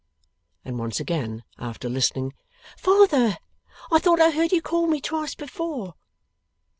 And once again, after listening, 'Father! I thought I heard you call me twice before!